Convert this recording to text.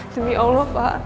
demi allah pak